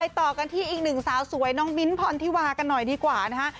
ไปต่อกันที่อีก๑สาวสวยหน้ามินผ่อนธิวาอากันหน่อยดีกว่านะฮะ